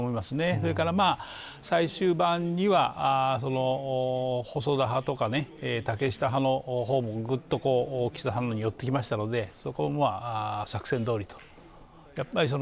それから最終盤には、細川派とか竹下派の方もぐっと岸田さんに寄ってきましたのでそこは作戦どおり。